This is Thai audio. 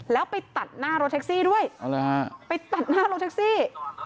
แล้วไปตัดหน้ารถแท็กซี่ด้วยไปตัดหน้ารถแท็กซี่